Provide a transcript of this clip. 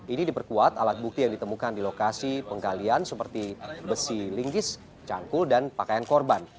ini diperkuat alat bukti yang ditemukan di lokasi penggalian seperti besi linggis cangkul dan pakaian korban